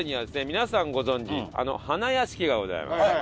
皆さんご存じあの花やしきがございます。